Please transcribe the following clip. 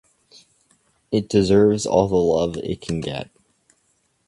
It deserves all the love it can get.